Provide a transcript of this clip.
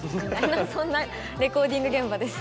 そんなレコーディング現場です。